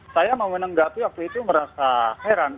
saya mau menanggapi waktu itu merasa heran